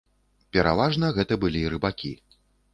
Пераважна гэта былі рыбакі.